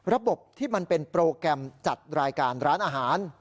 ระบบที่มันเป็นโปรแกรมจัดรายการร้านอาหาร